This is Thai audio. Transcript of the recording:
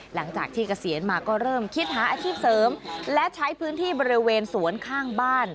เกษียณมาก็เริ่มคิดหาอาชีพเสริมและใช้พื้นที่บริเวณสวนข้างบ้าน